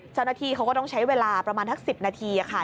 เจ้าหน้าที่เขาก็ต้องใช้เวลาประมาณทัก๑๐นาทีค่ะ